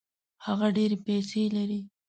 هغه ډېري پیسې لري.